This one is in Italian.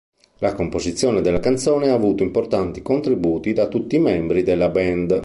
La composizione della canzone ha avuto importanti contributi da tutti i membri della band.